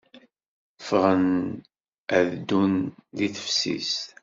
Ffɣen ad ddun deg teftist.